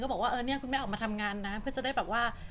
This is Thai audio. ค่ะเราที่เราเข้ามาช่วยว่า